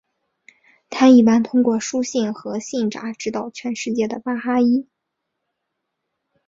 它一般通过书信和信札指导全世界的巴哈伊。